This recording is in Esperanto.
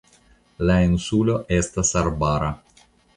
La insulo estas arbara.